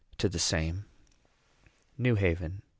TO THE SAME. NEW HAVEN.